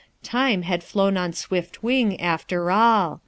Time had flown on swift wing after all.